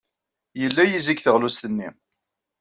Yella yizi deg teɣlust-nni.